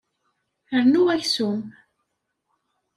Rnu aksum.